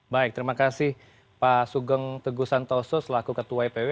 baik terima kasih pak sugeng teguh santoso selaku ketua ipw